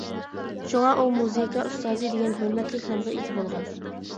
شۇڭا ئۇ مۇزىكا ئۇستازى دېگەن ھۆرمەتلىك نامغا ئىگە بولغان.